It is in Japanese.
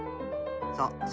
そう。